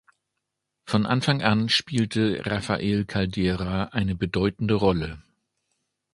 Von Anfang an spielte Rafael Caldera eine bedeutende Rolle.